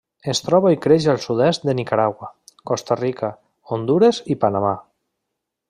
Es troba i creix al sud-est de Nicaragua, Costa Rica, Hondures i Panamà.